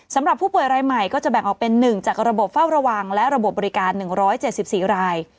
สำหรับผู้ป่วยรายใหม่ก็จะแบ่งออกเป็น๑จากระบบเฝ้าระวังและระบบบริการ๑๗๔ราย